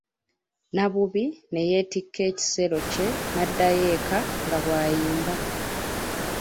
Nabbubi ne yeetikka ekisero kye n'addayo eka nga bw'ayimba.